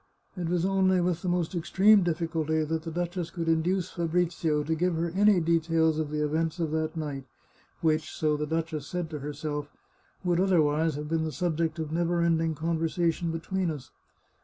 It was only with the most extreme difficulty that the duchess could induce Fabrizio to give her any details of the events of that night, which, so the duchess said to her self, " would otherwise have been the subject of never end ing conversation between us.